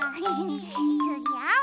つぎあお！